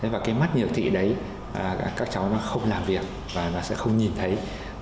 và cái mắt nhược thị đấy các cháu nó không làm việc và nó sẽ không nhìn thấy